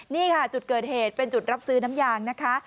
นี่ค่ะจุดเกิดเหตุเป็นจุดรับซื้อน้ำยางนะคะ